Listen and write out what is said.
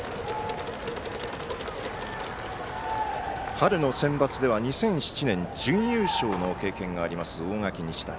春のセンバツでは２００７年、準優勝の経験があります、大垣日大。